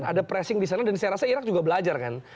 ada pressing di sana dan saya rasa irak juga belajar kan